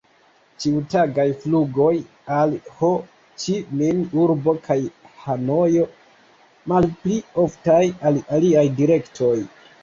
Ĉiutagaj flugoj al Ho-Ĉi-Min-urbo kaj Hanojo, malpli oftaj al aliaj direktoj.